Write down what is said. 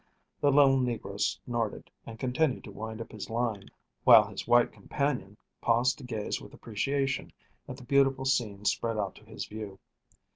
The little negro snorted, and continued to wind up his line, while his white companion paused to gaze with appreciation at the beautiful scene spread out to his view.